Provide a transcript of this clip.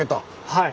はい！